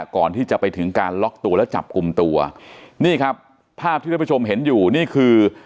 ก่อนที่จะไปถึงการล็อกตัวแล้วจับกลุ่มตัวนี่ครับภาพที่ท่านผู้ชมเห็นอยู่นี่คือ